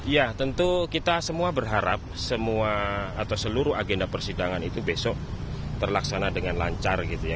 ya tentu kita semua berharap semua atau seluruh agenda persidangan itu besok terlaksana dengan lancar gitu ya